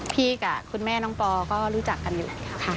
กับคุณแม่น้องปอก็รู้จักกันอยู่แล้วค่ะ